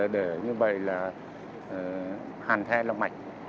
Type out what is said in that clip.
để như vậy là hàn the lòng mạch